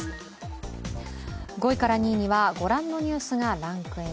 ５位から２位にはご覧のニュースがランクイン。